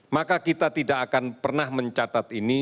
maka kita tidak akan pernah mencatat ini